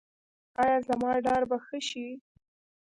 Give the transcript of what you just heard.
ایا زما ډار به ښه شي؟